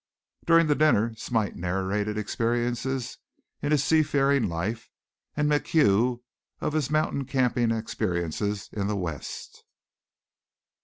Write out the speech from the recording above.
During the dinner Smite narrated experiences in his sea faring life, and MacHugh of his mountain camping experiences in the West.